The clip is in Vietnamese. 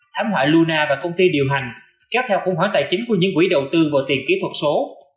thảm họa luna và công ty điều hành kéo theo khung khoáng tài chính của những quỹ đầu tư vào tiền kỹ thuật số